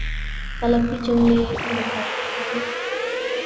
غلطي جملې مه تائیدوئ